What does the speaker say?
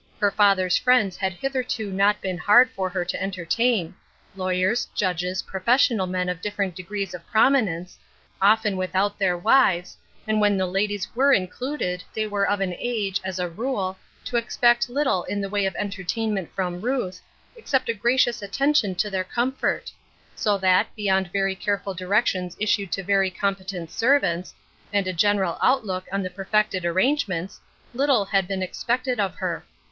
Hex father's friends had hitherto not been hard for her to entertain — lawyers, judges, professional men of different degrees of prominence, often without their wives, and when the ladies were in cluded they were of an age, as a rule, to expect little in the way of entertainment from Ruth, ex cept a gracious attention to their comfort; so that, beyond very careful directions issued to very competent servants, and a general outlook on the perfected arrangements, little had been expected of her.